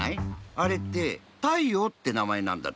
あれって「太陽」ってなまえなんだって。